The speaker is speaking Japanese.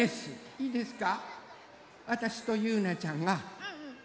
いいですか？